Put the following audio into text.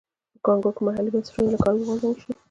په کانګو کې محلي بنسټونه له کاره وغورځول شول.